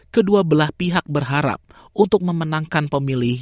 kedua belah pihak berharap untuk memenangkan pemilih